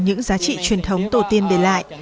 những giá trị truyền thống tổ tiên để lại